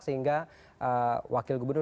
sehingga wakil gubernur